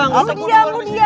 nggak tau gue udah udah disini